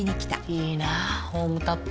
いいなホームタップ。